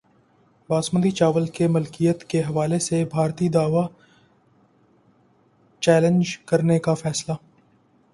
باسمتی چاول کی ملکیت کے حوالے سے بھارتی دعوی چیلنج کرنے کا فیصلہ